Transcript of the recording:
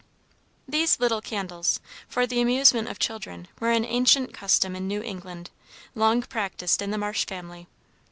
These "little candles," for the amusement of children, were an ancient custom in New England, long practised in the Marsh family.